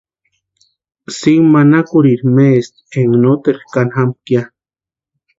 Sinku manakurhiri maesti énka noteru kani jamakʼa ya.